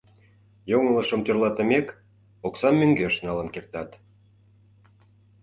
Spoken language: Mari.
Йоҥылышым тӧрлатымек, оксам мӧҥгеш налын кертат.